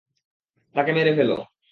তাকে মেরে ফেল।